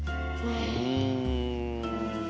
うん。